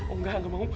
oh enggak enggak mau